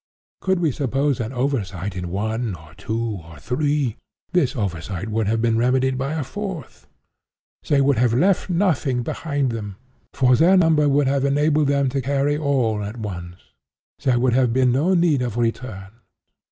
Could we suppose an oversight in one, or two, or three, this oversight would have been remedied by a fourth. They would have left nothing behind them; for their number would have enabled them to carry all at once. There would have been no need of return.